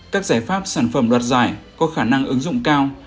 các giải pháp sản phẩm đoạt giải có khả năng ứng dụng cao